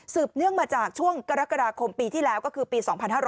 เนื่องมาจากช่วงกรกฎาคมปีที่แล้วก็คือปี๒๕๕๙